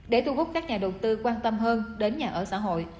để thu hút các nhà đầu tư quan tâm hơn đến nhà ở xã hội